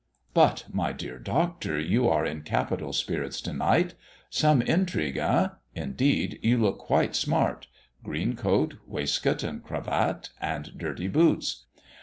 "But, my dear Doctor, you are in capital spirits to night. Some intrigue, eh! Indeed, you look quite smart! Green coat, waistcoat, and cravat, and dirty boots.